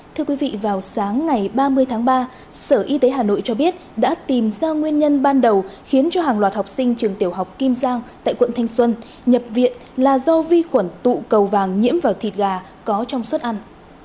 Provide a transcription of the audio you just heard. thưa quý vị vào sáng ngày ba mươi tháng ba sở y tế hà nội cho biết đã tìm ra nguyên nhân ban đầu khiến cho hàng loạt học sinh trường tiểu học kim giang tại quận thanh xuân nhập viện là do vi khuẩn tụ cầu vàng nhiễm vào thịt gà có trong suất ăn